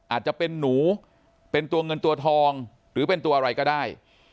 อาจจะเป็นหนูเป็นตัวเงินตัวทองหรือเป็นตัวอะไรก็ได้